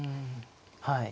はい。